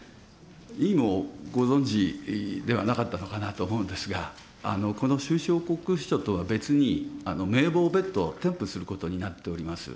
委員もご存じではなかったのかなと思うんですが、この収支報告書とは別に、名簿を別途添付することになっております。